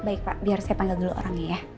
baik pak biar saya panggil dulu orangnya ya